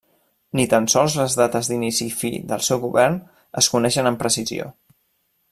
Ni tan sols les dates d'inici i fi del seu govern es coneixen amb precisió.